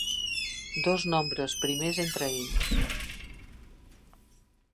Dos nombres primers entre ells.